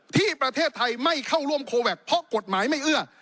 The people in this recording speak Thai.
ที่ประเทศไทยไม่เข้าร่วมโคแวคเพราะกฎหมายไม่เอื้อ